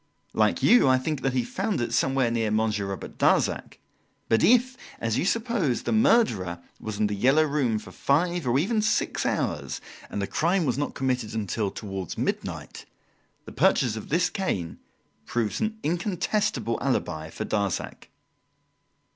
Like you, I think that he found it somewhere near Monsieur Robert Darzac. But if, as you suppose, the murderer was in The "Yellow Room" for five, or even six hours, and the crime was not committed until towards midnight, the purchase of this cane proves an incontestable alibi for Darzac."